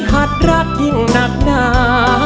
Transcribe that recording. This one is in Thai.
หัดรักยิ่งนากนา